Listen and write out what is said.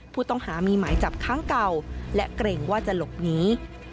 ผู้ต้องหามีหมายจับครั้งเก่าและเกรงว่าจะหลบหนี